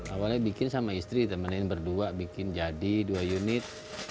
awalnya bikin sama istri temenin berdua bikin jadi dua unit